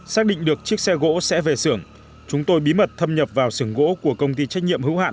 xác định được chiếc xe gỗ sẽ về xưởng chúng tôi bí mật thâm nhập vào xưởng gỗ của công ty trách nhiệm hữu hạn